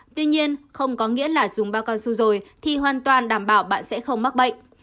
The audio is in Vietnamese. tuy nhiên không có nghĩa là dùng bao cao su rồi thì hoàn toàn đảm bảo bạn sẽ không mắc bệnh